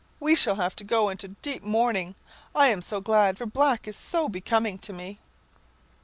We shall have to go into deep mourning. I am so glad, for black is so becoming to me!"